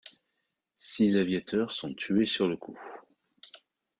Six aviateurs sont tués sur le coup.